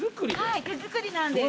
はい手作りなんです。